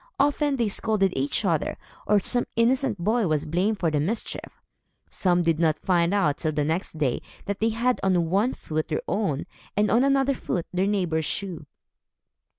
Often they scolded each other; or, some innocent boy was blamed for the mischief. Some did not find out, till the next day, that they had on one foot their own, and on another foot, their neighbor's shoe.